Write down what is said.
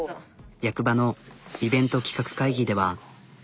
役場のイベント企画会議では。